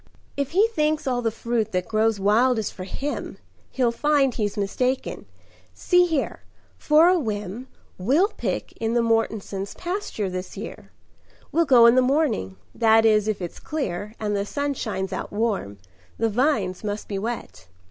"If he thinks all the fruit that grows wild is for him, He'll find he's mistaken. See here, for a whim, We'll pick in the Mortensons' pasture this year. We'll go in the morning, that is, if it's clear, And the sun shines out warm: the vines must be wet.